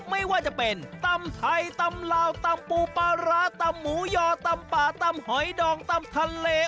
ไม่ว่าจะเป็นตำไทยตำลาวตำปูปลาร้าตำหมูยอตำป่าตำหอยดองตำทะเล